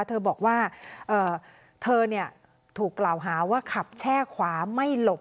เธอบอกว่าเธอถูกกล่าวหาว่าขับแช่ขวาไม่หลบ